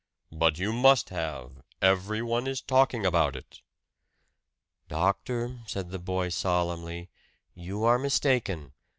"But you must have! Everyone is talking about it!" "Doctor," said the boy solemnly, "you are mistaken.